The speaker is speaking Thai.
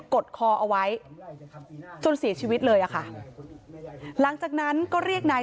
ดคอเอาไว้จนเสียชีวิตเลยอะค่ะหลังจากนั้นก็เรียกนาย